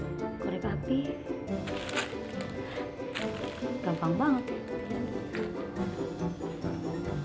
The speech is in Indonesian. kayanya care kristof skip humour sendiri